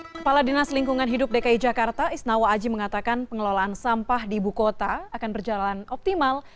kepala dinas lingkungan hidup dki jakarta isnawa aji mengatakan pengelolaan sampah di ibu kota akan berjalan optimal